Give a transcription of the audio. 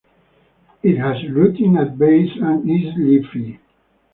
It has rooting at base and is leafy.